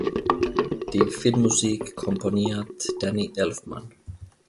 Die Filmmusik komponiert Danny Elfman.